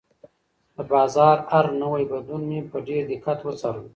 د بازار هر نوی بدلون مې په ډېر دقت وڅارلو.